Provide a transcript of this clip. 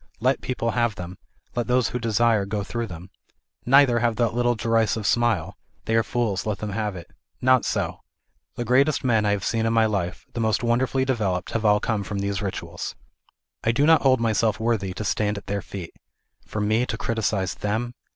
Let people have them; let those who desire go through them. Neither have that little derisive smile,, ŌĆö " They are fools ; let them have it." Not so ; the greatest men I have seen in my life, the most wonderfully developed, have all come from these rituals. I do not hold myself worthy to stand at their feet. For me to criticise them